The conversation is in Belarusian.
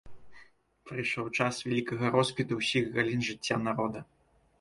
Прыйшоў час вялікага росквіту ўсіх галін жыцця народа.